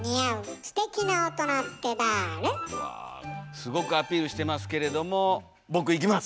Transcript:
すごくアピールしてますけれども僕いきます！